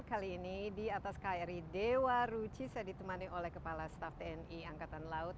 kali ini di atas kri dewa ruci saya ditemani oleh kepala staff tni angkatan laut